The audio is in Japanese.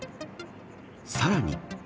さらに。